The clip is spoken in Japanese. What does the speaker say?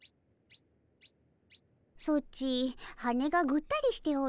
ソチ羽がぐったりしておるの。